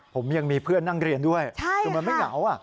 ผมยังมีเพื่อนนั่งเรียนด้วยคือมันไม่เหงา